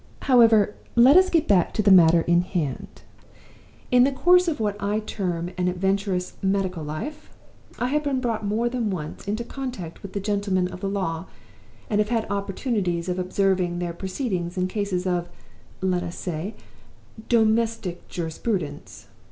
'However, let us get back to the matter in hand. In the course of what I may term an adventurous medical life, I have been brought more than once into contact with the gentlemen of the law, and have had opportunities of observing their proceedings in cases of, let us say, Domestic Jurisprudence.